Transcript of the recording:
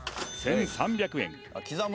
１３００円